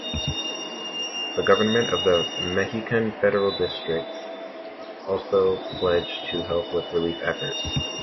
The government of the Mexican Federal District also pledged to help with relief efforts.